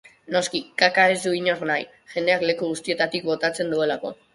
Noski, kaka ez du inork nahi, jendeak leku guztietatik botatzen dituelako.